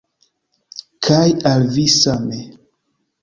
Kaj al vi same.